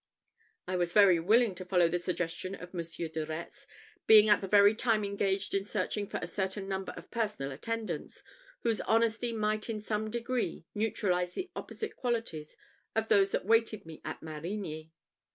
I was very willing to follow the suggestion of Monsieur de Retz, being at the very time engaged in searching for a certain number of personal attendants, whose honesty might in some degree neutralise the opposite qualities of those that waited me at Marigny.